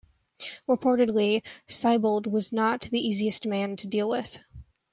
Reportedly, Siebold was not the easiest man to deal with.